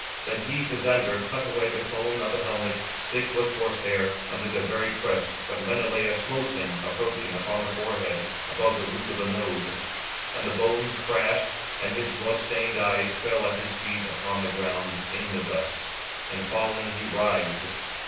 Then he (Pisander) cut away the cone of the helmet, thick with horse hair, under the very crest, but (Menelaus smote) him, approaching, upon the forehead, above the root of the nose. And the bones crashed, and his blood stained eyes fell at his feet upon the ground in the dust: and falling, he writhed.